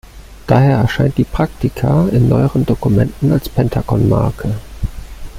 Daher erscheint die Praktica in neueren Dokumenten als Pentacon-Marke.